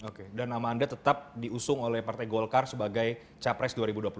oke dan nama anda tetap diusung oleh partai golkar sebagai capres dua ribu dua puluh empat